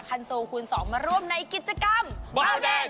โหลดกันใส่นี่จะเป็นชมใส่